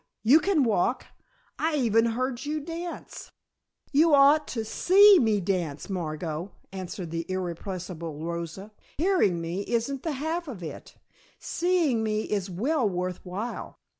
You can walk. I even heard you dance " "You ought to see me dance, Margot," answered the irrepressible Rosa. "Hearing me, isn't the half of it. Seeing me is well worth while.